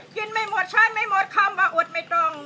ไม่หมดใช้ไม่หมดคำว่าอดไม่ต้อง